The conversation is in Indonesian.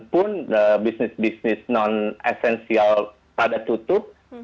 pun bisnis bisnis non esensial pada tutup